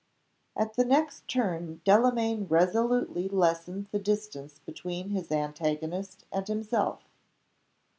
At the next turn Delamayn resolutely lessened the distance between his antagonist and himself.